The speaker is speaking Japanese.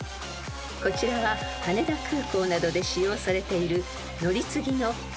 ［こちらは羽田空港などで使用されている］